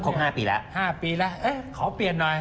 ครบ๕ปีแล้วแล้วขอเปลี่ยนหน่อย